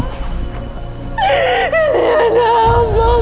kalian apa pak